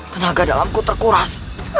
tenaga dalamku terkuras